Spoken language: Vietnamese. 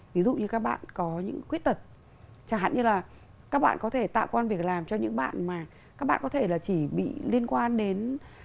ví dụ như các bạn có những khuyết tật chẳng hạn như là các bạn có thể tạo quan việc làm cho những bạn mà các bạn có thể là chỉ bị liên quan đến